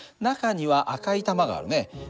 中には赤い玉があるね。